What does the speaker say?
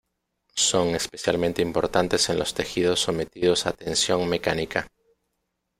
Son especialmente importantes en los tejidos sometidos a tensión mecánica.